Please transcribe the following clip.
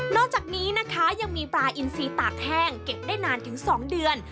อกจากนี้นะคะยังมีปลาอินซีตากแห้งเก็บได้นานถึง๒เดือน